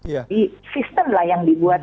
jadi sistem lah yang dibuat